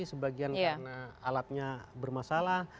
sebagian karena alatnya bermasalah